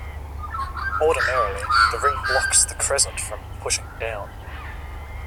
Ordinarily, the ring blocks the crescent from pushing down.